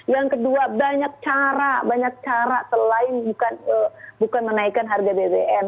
yang kedua banyak cara banyak cara selain bukan menaikkan harga bbm